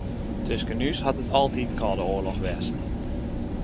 Tusken ús hat it altyd kâlde oarloch west.